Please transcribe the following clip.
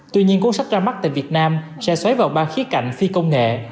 tuy nhiên cuốn sách ra mắt tại việt nam sẽ xoáy vào ba khía cạnh phi công nghệ